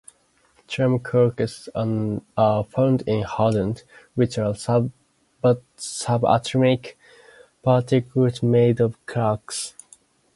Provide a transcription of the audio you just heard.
Charm quarks are found in hadrons, which are subatomic particles made of quarks.